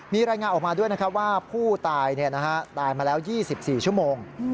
มีรายงานออกมาด้วยนะครับว่าผู้ตายตายมาแล้ว๒๔ชั่วโมง